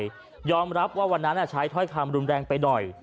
ยอมรับว่าวันนั้นใช้ถ้อยคำรุนแรงไปหน่อย